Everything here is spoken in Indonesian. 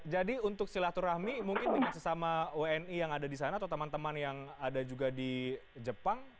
jadi untuk silaturahmi mungkin dengan sesama wni yang ada di sana atau teman teman yang ada juga di jepang